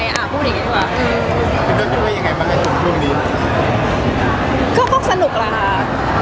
ยังไม่ได้สนว่าของส่วนนี้ว่ากัน